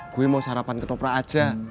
gue mau sarapan ketoprak aja